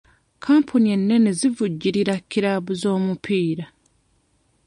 Kampuni ennene zivujjirira kiraabu z'omupiira.